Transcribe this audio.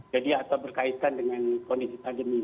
jadi atau berkaitan dengan kondisi pandemi